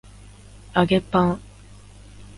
揚げパン